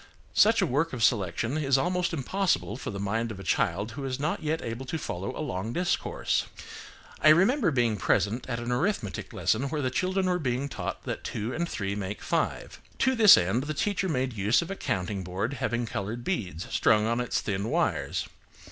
Such a work of selection is almost impossible for the mind of a child who is not yet able to follow a long discourse. I remember being present at an arithmetic lesson where the children were being taught that two and three make five. To this end, the teacher made use of a counting board having coloured beads strung on its thin wires.